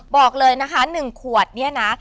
บอกเลยนะคะหนึ่งขวดนี้นะ